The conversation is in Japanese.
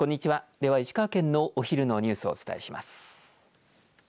では、石川県のお昼のニュースをお伝えします。